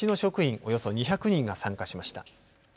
およそ２００人が参加しました。